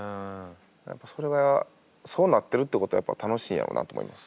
やっぱそれがそうなってるってことはやっぱ楽しいんやろうなって思います。